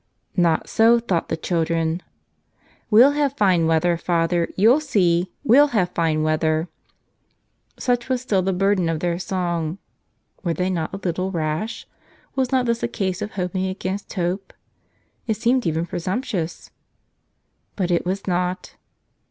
Not so thought the chil¬ dren. "We'll have fine weather, Father; you'll see; we'll have fine weather," — such was still the burden of their song. Were they not a little rash? Was not this a case of hoping against hope? It seemed even pre¬ sumptuous. But it was not.